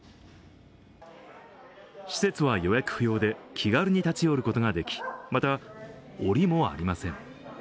施設は予約不要で気軽に立ち寄ることができ、また、おりもありません。